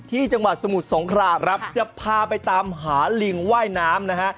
จังหวัดสมุทรสงครามครับจะพาไปตามหาลิงว่ายน้ำนะฮะ